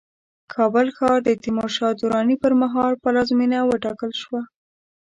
کابل ښار د تیمورشاه دراني پرمهال پلازمينه وټاکل شوه